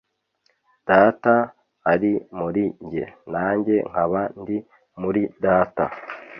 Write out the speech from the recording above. Data ari muri jye nanjye nkaba ndi muri Data